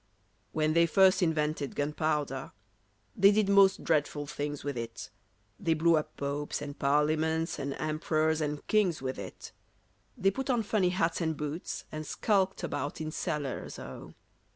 _) WHEN they first invented gunpowder, They did most dreadful things with it; They blew up popes and parliaments, And emperors and kings with it. They put on funny hats and boots, And skulked about in cellars, oh!